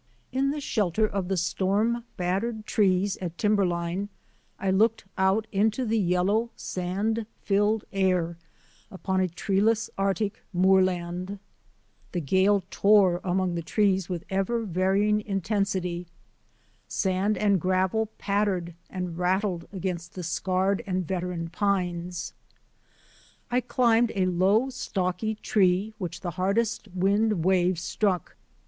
In the shelter of the storm battered trees at timberline I looked out into the yellow, sand filled air upon a treeless Arctic moorland. The gale tore among the trees with ever varying in tensity. Sand and gravel pattered and rattled against the scarred and veteran pines. I climbed a low, stocky tree which the hardest wind waves struck.